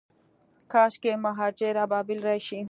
کاشکي مهاجر ابابیل راشي